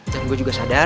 dan gue juga sadar